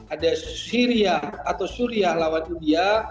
ada syria atau syria lawan india